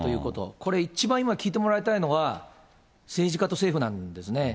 これ、一番今聞いてもらいたいことは、政治家と政府なんですね。